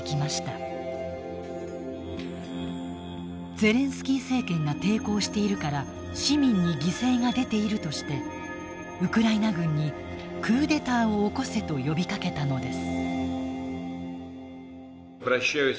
ゼレンスキー政権が抵抗しているから市民に犠牲が出ているとしてウクライナ軍にクーデターを起こせと呼びかけたのです。